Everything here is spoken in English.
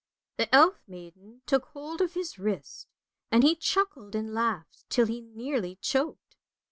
The elf maiden took hold of his wrist, and he chuckled and laughed, till he nearly choked.